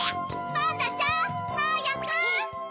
パンダちゃんはやく！